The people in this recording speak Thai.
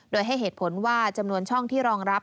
โดยให้เหตุผลว่าจำนวนช่องที่รองรับ